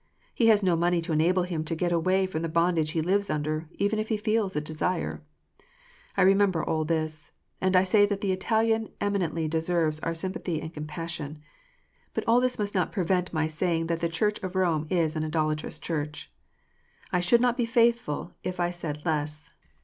He has no money to enable him to get away from the bondage he lives under, even if he feels a desire. I remember all this; and I say that the Italian eminently deserves our sympathy and compassion. But all this must not prevent my saying that the Church of Rome is an idolatrous Church. I should not be faithful if I said less.